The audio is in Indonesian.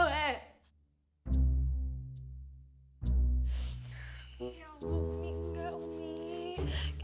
ya tuhan umi nggak umi